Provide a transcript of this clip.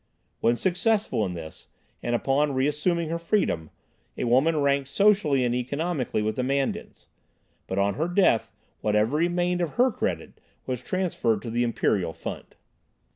When successful in this, and upon reassuming her freedom, a woman ranked socially and economically with the Man Dins. But on her death, whatever remained of her credit was transferred to the Imperial fund.